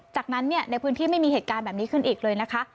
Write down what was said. จากนั้นในพื้นที่ไม่มีเหตุการณ์แบบนี้ขึ้นอีกเลยนะคะ